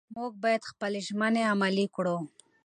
موږ باید خپلې ژمنې عملي کړو